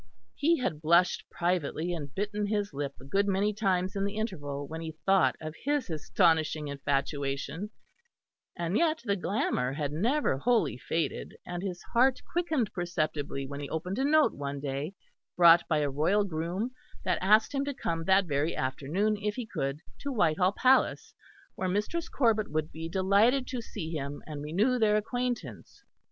He had blushed privately and bitten his lip a good many times in the interval, when he thought of his astonishing infatuation, and yet the glamour had never wholly faded; and his heart quickened perceptibly when he opened a note one day, brought by a royal groom, that asked him to come that very afternoon if he could, to Whitehall Palace, where Mistress Corbet would be delighted to see him and renew their acquaintance.